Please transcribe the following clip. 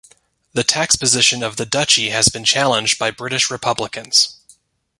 The tax position of the duchy has been challenged by British republicans.